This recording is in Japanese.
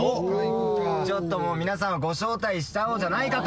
ちょっともう、皆さんをご招待しちゃおうじゃないかと。